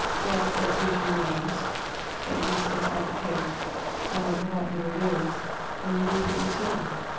Grant, that beauty remains, that youth does not decay, and that the heart never wearies, and you reproduce Heaven.